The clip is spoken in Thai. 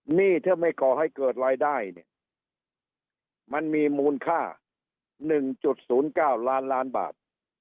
หนี้ถ้าไม่ก่อให้เกิดรายได้เนี่ยมันมีมูลค่า๑๐๙ล้านล้านบาท